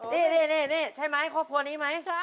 นี่ใช่ไหมครอบครัวนี้ไหม